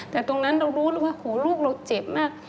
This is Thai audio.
แต่ตรงนั้นเรารู้แล้วว่าลูกเราเจ็บมาก